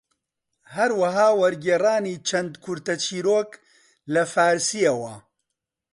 هەروەها وەرگێڕانی چەند کورتە چیرۆک لە فارسییەوە